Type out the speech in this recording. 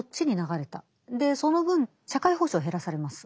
その分社会保障減らされます。